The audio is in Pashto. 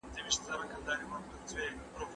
د تولیدي شرکتونو رول په اقتصاد کي څنګه دی؟